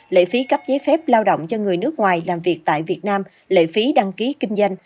lệ phí cấp giấy phép lao động cho người nước ngoài làm việc tại việt nam lệ phí đăng ký kinh doanh